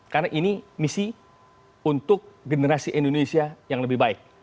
karena ini misi untuk generasi indonesia yang lebih baik